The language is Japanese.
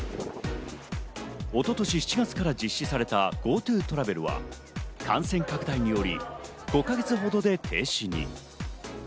一昨年７月から実施されたＧｏＴｏトラベルは感染拡大により５か月ほどで停止に。